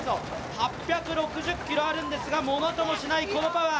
８６０ｋｇあるんですがものともしないこのパワー。